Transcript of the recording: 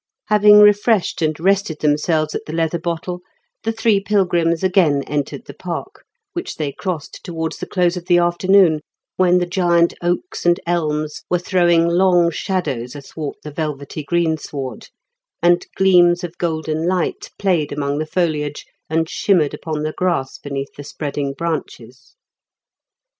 Having refreshed and rested themselves at The Leather Bottle, the three pilgrims again entered the park, which they crossed towards the close of the afternoon, when the giant oaks and elms were throwing long shadows athwart the velvety greensward, and gleams of golden light played among the foliage, and shimmered upon the grass beneath the spreading branches.